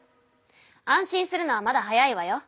安心するのはまだ早いわよ。